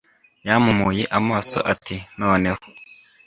Yampumuye amaso ati Noneho